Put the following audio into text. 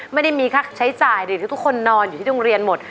ไม่ได้มีค่าใช้จ่ายเดี๋ยวทุกคนนอนอยู่ที่โรงเรียนหมด